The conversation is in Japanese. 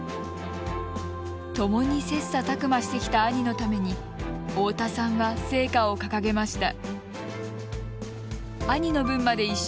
ともに切さたく磨してきた兄のために大田さんは聖火を掲げました。